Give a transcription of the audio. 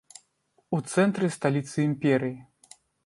У цэнтры сталіцы імперыі.